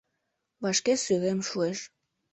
Вашке сӱрем шуэш.